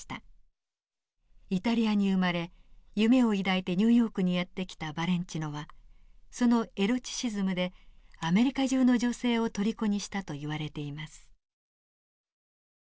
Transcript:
イタリアに生まれ夢を抱いてニューヨークにやって来たバレンチノはそのエロチシズムでアメリカ中の女性をとりこにしたといわれています。